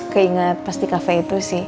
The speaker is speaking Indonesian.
keingat pasti kafe itu sih